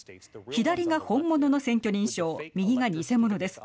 左が本物の選挙人証右が偽物です。